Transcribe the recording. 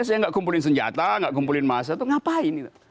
saya enggak kumpulin senjata enggak kumpulin masa tuh ngapain